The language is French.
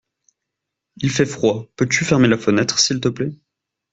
Il fait froid, peux-tu fermer la fenêtre s'il te plaît?